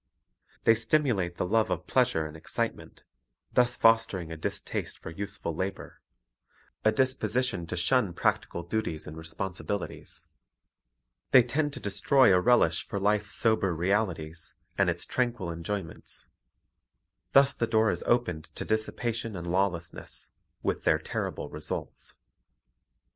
They stimulate the love of pleasure and excitement, thus fostering a distaste for useful labor, a disposition to shun practical duties and Recreation 21 1 responsibilities. They tend to destroy a relish for life's sober realities and its tranquil enjoyments. Thus the door is opened to dissipation and lawlessness, with their terrible results.